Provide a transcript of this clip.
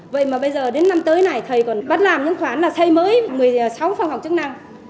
vậy mà bây giờ đến năm tới này thầy còn bắt làm những khoản là xây mới một mươi sáu phòng chức năng